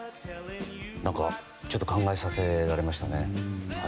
ちょっと考えさせられましたね。